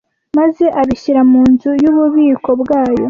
maze abishyira mu nzu y’ububiko bwayo